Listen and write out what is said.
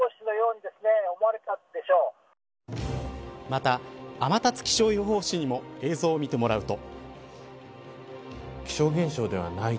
また、天達気象予報士にも映像を見てもらうと。